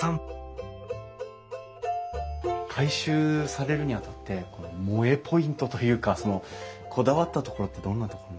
改修されるにあたって萌えポイントというかこだわったところってどんなところなんですかね？